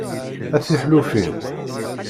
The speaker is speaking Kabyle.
A tiḥellufin!